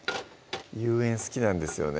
有塩好きなんですよね